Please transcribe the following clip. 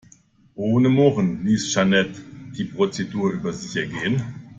Ohne Murren ließ Jeanette die Prozedur über sich ergehen.